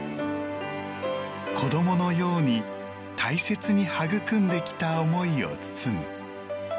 子どものように大切に育んできた思いを包む。